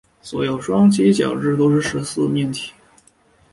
所有双七角锥都是十四面体。